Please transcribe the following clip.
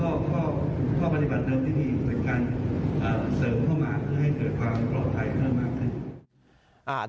เป็นการเสริมเข้ามาให้เกิดความปลอดภัยเพิ่มมากขึ้น